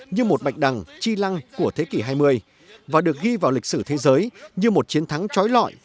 như một bạch đằng chi lăng của thế kỷ hai mươi và được ghi vào lịch sử thế giới như một chiến thắng trói lọi